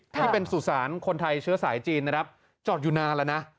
ที่เป็นสุสานคนไทยเชื้อสายจีนนะครับจอดอยู่นานแล้วนะ